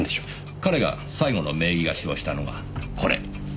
彼が最後の名義貸しをしたのがこれ９月です。